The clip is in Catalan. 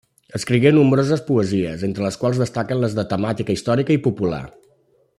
Escrigué nombroses poesies, entre les quals destaquen les de temàtica històrica i popular.